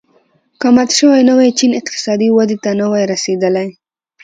که مات شوی نه وای چین اقتصادي ودې ته نه وای رسېدلی.